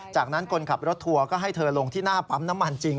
จากนั้นคนขับรถทัวร์ก็ให้เธอลงที่หน้าปั๊มน้ำมันจริง